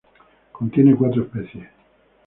Contiene cuatro especies